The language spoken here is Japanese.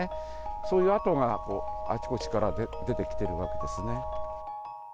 そういう跡があちこちから出てきてるわけですね。